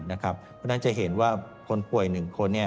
เพราะฉะนั้นจะเห็นว่าคนป่วย๑คน